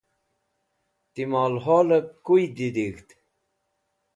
Ti mol holẽb koy didig̃hd?